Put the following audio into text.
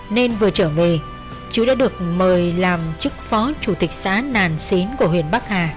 nên vừa trở về chứ đã được mời làm chức phó chủ tịch xã nàn xín của huyện bắc hà